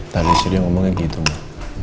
tadi istri yang omongnya gitu mak